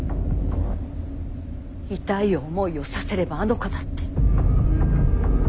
痛い思いをさせればあの子だって。